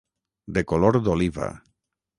De color d'oliva.